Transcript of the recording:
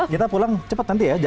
kita pulang cepat nanti ya